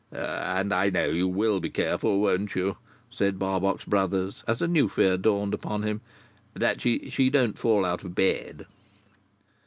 "And I know you will be careful, won't you," said Barbox Brothers, as a new fear dawned upon him, "that she don't fall out of bed."